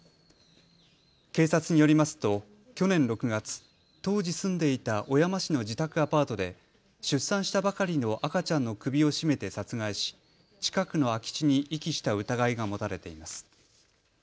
警察によりますと去年６月、当時住んでいた小山市の自宅アパートで出産したばかりの赤ちゃんの首を絞めて殺害し近くの空き地に遺棄した疑いが持たれています。